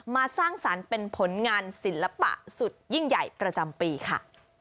สร้างสรรค์เป็นผลงานศิลปะสุดยิ่งใหญ่ประจำปีค่ะ